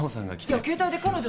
いや携帯で彼女。